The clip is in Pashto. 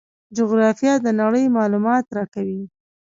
جغرافیه د نړۍ معلومات راکوي.